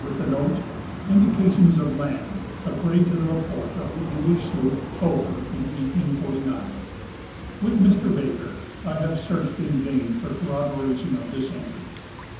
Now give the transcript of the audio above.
with the note, " Indications of land according to the report of the English sloop Plover in 1849." With Mr Baker I have searched in vain for corroboration of this entry.